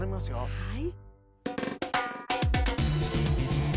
はい。